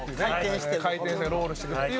回転してロールしていくっていう。